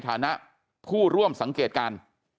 ฐานะผู้ร่วมสังเกตการ